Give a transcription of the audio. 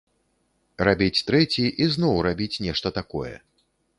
Рабіць трэці і зноў рабіць нешта такое.